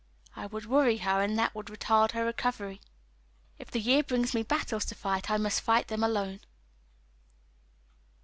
It would worry her, and that would retard her recovery. If the year brings me battles to fight, I must fight them alone."